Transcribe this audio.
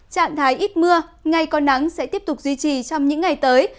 trạng thái ít mưa ngày có nắng sẽ tiếp tục duy trì trong những ngày tới